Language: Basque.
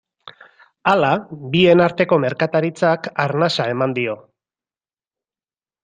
Hala, bien arteko merkataritzak arnasa eman dio.